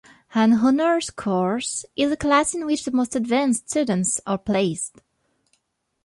An honors course is a class in which the most advanced students are placed.